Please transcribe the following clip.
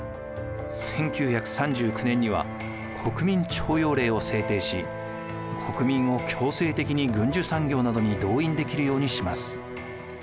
１９３９年には国民徴用令を制定し国民を強制的に軍需産業などに動員できるようにします。